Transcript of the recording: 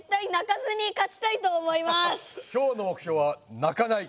今日の目ひょうは泣かない！